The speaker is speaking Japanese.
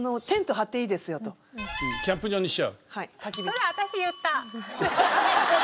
それ私言った。